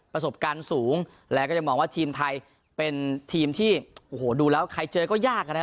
ประสบการณ์สูงแล้วก็ยังมองว่าทีมไทยเป็นทีมที่โอ้โหดูแล้วใครเจอก็ยากนะครับ